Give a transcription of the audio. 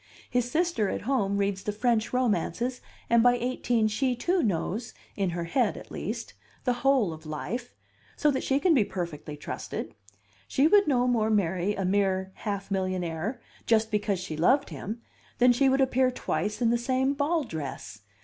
His sister at home reads the French romances, and by eighteen she, too, knows (in her head at least) the whole of life, so that she can be perfectly trusted; she would no more marry a mere half millionaire just because she loved him than she would appear twice in the same ball dress.